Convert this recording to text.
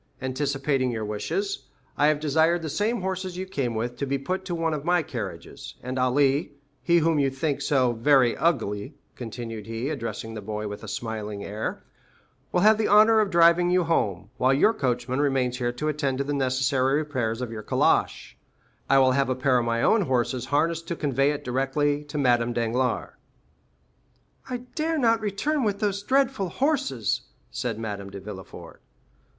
Anticipating your wishes, I have desired the same horses you came with to be put to one of my carriages, and Ali, he whom you think so very ugly," continued he, addressing the boy with a smiling air, "will have the honor of driving you home, while your coachman remains here to attend to the necessary repairs of your calash. As soon as that important business is concluded, I will have a pair of my own horses harnessed to convey it direct to Madame Danglars." "I dare not return with those dreadful horses," said Madame de Villefort.